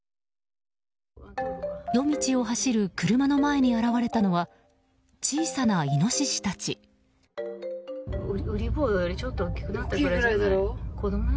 夜道を走る車の前に現れたのは小さなイノシシたち。